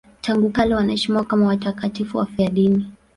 Tangu kale wanaheshimiwa kama watakatifu wafiadini.